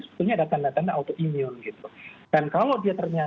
misalnya orang yang mengalami autoimun misalnya